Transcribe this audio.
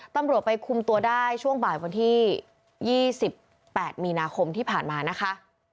ตำรวจไปคุมตัวได้ช่วงบ่ายวันที่๒๘มีนาคมที่ผ่านมานะคะ